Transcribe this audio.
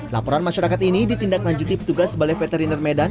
laporan masyarakat ini ditindaklanjuti petugas balai veteriner medan